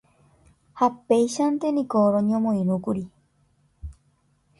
Ha péichante niko roñomoirũkuri.